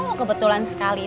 oh kebetulan sekali